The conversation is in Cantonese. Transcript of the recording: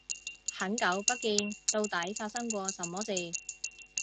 很久不見，到底發生過什麼事